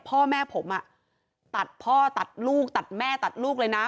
พ่อแม่ผมตัดพ่อตัดลูกตัดแม่ตัดลูกเลยนะ